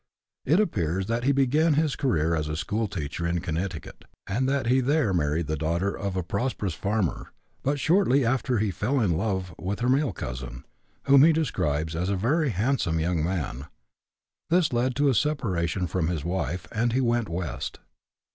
It appears that he began his career as a schoolteacher in Connecticut, and that he there married the daughter of a prosperous farmer; but shortly after he "fell in love" with her male cousin, whom he describes as a very handsome young man. This led to a separation from his wife, and he went West.